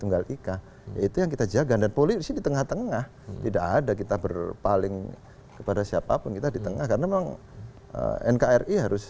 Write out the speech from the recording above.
orgoney itu yang kita jaga karena memang kita dari awal november world war